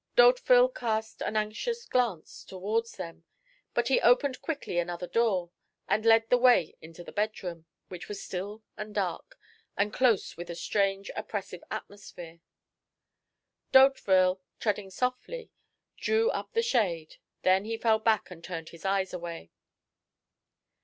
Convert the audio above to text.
D'Hauteville cast an anxious glance towards them, but he opened quickly another door, and led the way into the bedroom, which was still and dark, and close with a strange, oppressive atmosphere. D'Hauteville, treading softly, drew up the shade. Then he fell back and turned his eyes away.